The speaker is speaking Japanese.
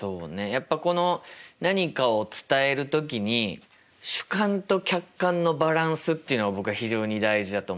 やっぱこの何かを伝える時に主観と客観のバランスっていうのが僕は非常に大事だと思ってて。